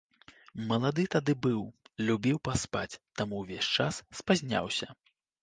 Малады тады быў, любіў паспаць, таму ўвесь час спазняўся.